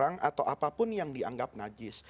atau apapun yang dianggap najis